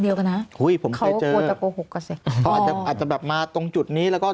เดียวกันนะเขากลัวจะโกหกก็เสร็จอาจจะมาตรงจุดนี้แล้วก็